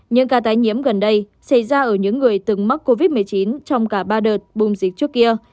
những ca tái nhiễm gần đây xảy ra ở những người từng mắc covid một mươi chín trong cả ba đợt bùng dịch trước kia